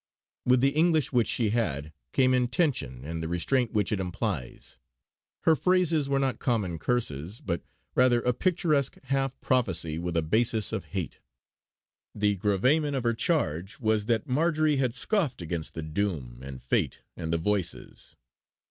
With the English which she had, came intention and the restraint which it implies. Her phrases were not common curses, but rather a picturesque half prophecy with a basis of hate. The gravamen of her charge was that Marjory had scoffed against the Doom and Fate and the Voices.